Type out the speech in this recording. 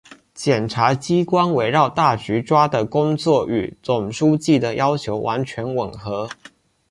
检察机关围绕大局抓的工作与总书记的要求完全吻合